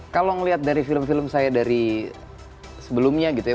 kalau ngeliat dari film film saya dari sebelumnya gitu ya